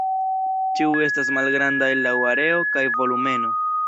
Ĉiuj estas malgrandaj laŭ areo kaj volumeno.